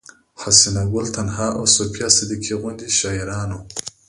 حسينه ګل تنها او صفيه صديقي غوندې شاعرانو